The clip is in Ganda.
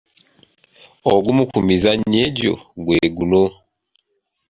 Ogumu ku mizannyo egyo gwe guno.